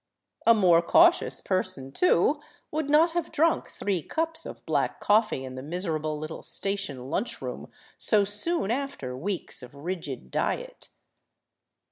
A more cautious person, too, would not have drunk three cups of black coffee in the miserable little station lunch room so soon after weeks of rigid diet.